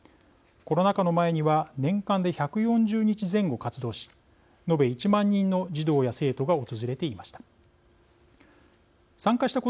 コロナ禍の前には年間で１４０日前後活動し延べ１万人の児童や生徒が訪れていました。